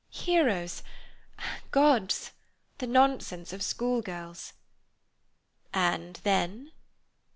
"Heroes—gods—the nonsense of schoolgirls." "And then?"